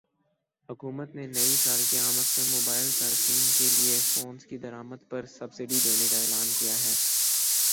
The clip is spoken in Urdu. حکومت نے نئی سال کی آمد پر موبائل صارفین کے لیے فونز کی درآمد پرسبسڈی دینے کا اعلان کیا ہے